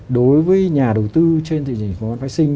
đối với nhà đầu tư trên thị trường chứng khoán vệ sinh